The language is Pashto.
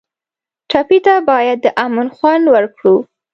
ټپي ته باید د امن خوند ورکړو.